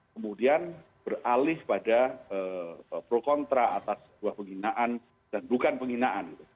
kemudian beralih pada pro kontra atas sebuah penghinaan dan bukan penghinaan